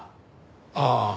ああ。